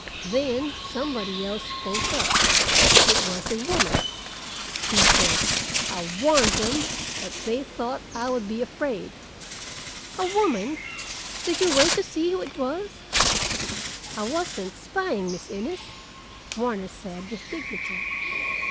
Then somebody else spoke up; it was a woman. She said, 'I warned them, but they thought I would be afraid.'" "A woman! Did you wait to see who it was?" "I wasn't spying, Miss Innes," Warner said with dignity.